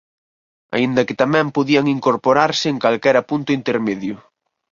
Aínda que tamén podían incorporarse en calquera punto intermedio.